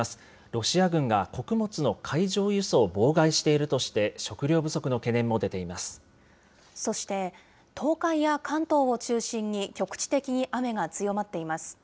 ロシア軍が穀物の海上輸送を妨害しているとして、食糧不足の懸念そして、東海や関東を中心に、局地的に雨が強まっています。